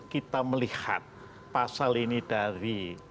kita melihat pasal ini dari